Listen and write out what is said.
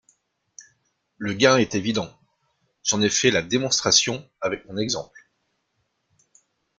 Le gain est évident – j’en ai fait la démonstration avec mon exemple.